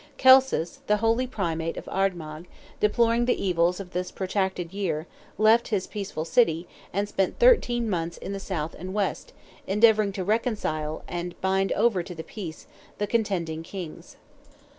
Celsus, the holy Primate of Armagh, deploring the evils of this protracted year, left his peaceful city, and spent thirteen months in the south and west, endeavouring to reconcile, and bind over to the peace, the contending kings.